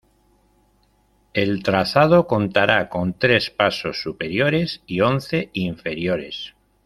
El trazado contará con tres pasos superiores y once inferiores.